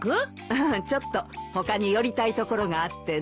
うんちょっと他に寄りたい所があってね。